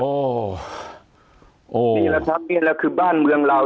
นี่แหละครับนี่แหละคือบ้านเมืองเรา